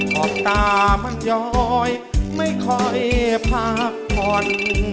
บตามันย้อยไม่ค่อยพักผ่อน